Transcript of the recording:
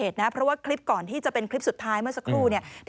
ที่จะเป็นคลิปสุดท้ายเมื่อสักครู่